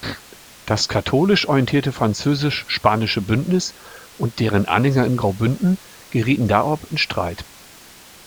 Das katholisch orientierte französisch-spanische Bündnis und deren Anhänger in Graubünden gerieten darob in Streit.